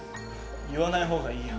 言わないほうがいいよ。